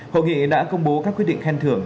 hội nghị đã công bố các quyết định khen thưởng